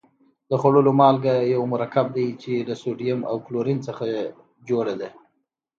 د خوړلو مالګه یو مرکب دی چې له سوډیم او کلورین څخه جوړه ده.